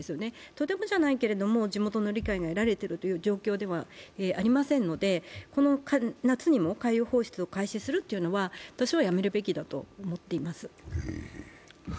とてもじゃないけれども地元の理解が得られている状況ではありませんので、この夏にも海洋放出を開始するというのは私はやめるべきだと思っています。